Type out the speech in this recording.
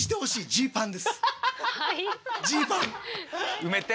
ジーパン！